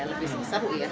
berbeda ya lebih susah ya